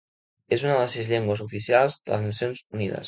És una de les sis llengües oficials de les Nacions Unides.